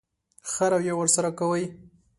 ښه رويه ورسره کوئ.